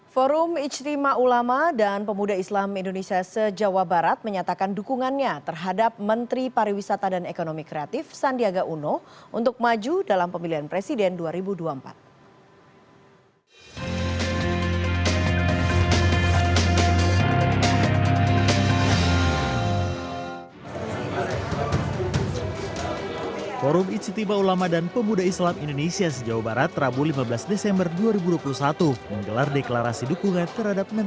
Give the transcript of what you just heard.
forum ijtima ulama dan pemuda islam indonesia sejawa barat menyatakan dukungannya terhadap menteri pariwisata dan ekonomi kreatif sandiaga uno untuk maju dalam pemilihan presiden dua ribu dua puluh empat